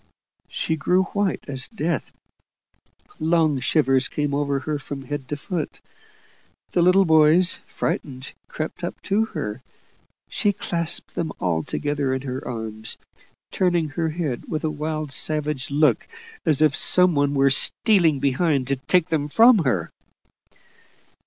She grew white as death; long shivers came over her from head to foot. The little boys, frightened, crept up to her; she clasped them all together in her arms, turning her head with a wild savage look, as if some one were stealing behind to take them from her.